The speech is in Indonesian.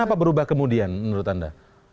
itu kenapa berubah kemudian menurut anda